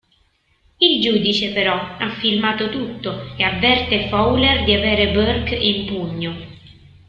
Il giudice però ha filmato tutto e avverte Fowler di avere Burke in pugno.